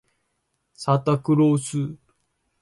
サンタクロース